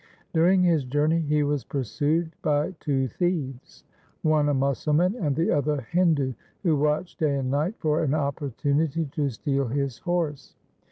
During his journey he was pursued by two thieves, one a Musalman and the other a Hindu, who watched day and night for an opportunity to steal his horse.